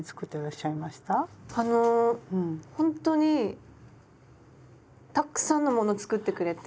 あのほんとにたっくさんのもの作ってくれて。